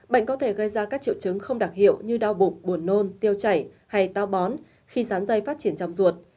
bệnh có thể gây ra các triệu chứng không đặc hiệu như đau bụng buồn nôn tiêu chảy hay tao bón khi rán dây phát triển trong ruột